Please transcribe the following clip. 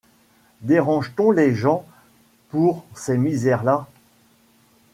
Dérange-t-on les géns pour ces misères-là ?